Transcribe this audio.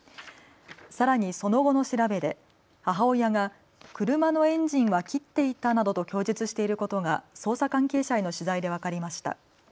さらにその後の調べで母親が車のエンジンは切っていたなどと供述していることが捜査関係者への取材で分かりました。